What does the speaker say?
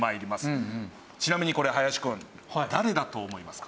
ちなみにこれ林くん誰だと思いますか？